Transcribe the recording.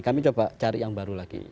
kami coba cari yang baru lagi